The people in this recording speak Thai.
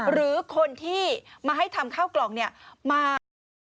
หรือคนที่มาให้ทำข้าวกล่องมา